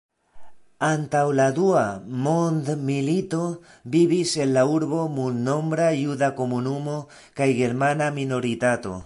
Antaŭ la dua mondmilito vivis en la urbo multnombra juda komunumo kaj germana minoritato.